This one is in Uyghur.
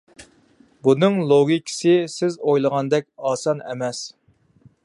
بۇنىڭ لوگىكىسى سىز ئويلىغاندەك ئاسان ئەمەس.